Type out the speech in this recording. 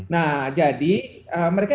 nah jadi mereka